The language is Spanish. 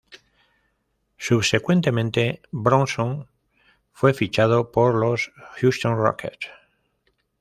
Subsecuentemente Brunson fue fichado por los Houston Rockets.